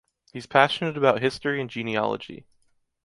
He is passionate about history and genealogy.